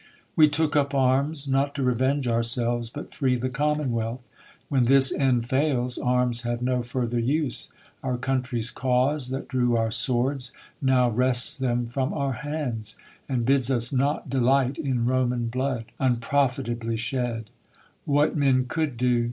We took up arras, not to revenge ourselves, But free the commonwealth ; when this end fails, Arms have no further use : our country's cause, That drew our sv.ords, now wrests them from our hands, And bids us not delight in Roman blood, Unprofitably shed, ^Vhat men could do